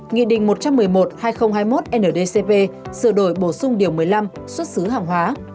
nghị định một trăm một mươi một hai nghìn hai mươi một ndcp sửa đổi bổ sung điều một mươi năm xuất xứ hàng hóa